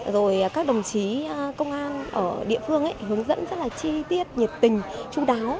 rồi các đồng chí công an ở địa phương hướng dẫn rất là chi tiết nhiệt tình chú đáo